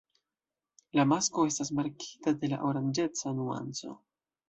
La masko estas markita de la oranĝeca nuanco.